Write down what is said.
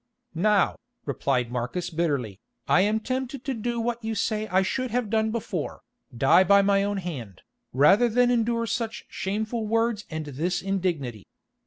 "Now," replied Marcus bitterly, "I am tempted to do what you say I should have done before, die by my own hand, rather than endure such shameful words and this indignity.